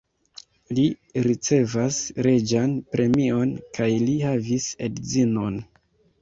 Li ricevis reĝan premion kaj li havis edzinon.